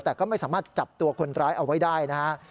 แต่ก็ไม่สามารถจับตัวคนร้ายเอาไว้ได้นะฮะ